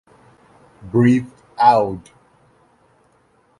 Breathe Out.